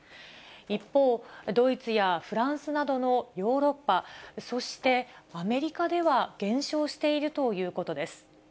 一方、ドイツやフランスなどのヨーロッパ、そしてアメリカでは、減少しているということです。